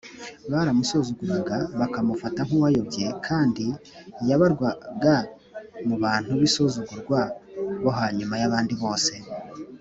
baramusuzuguraga, bakamufata nk’uwayobye kandi yabarwaga mu bantu b’insuzugurwa bo hanyuma y’abandi bose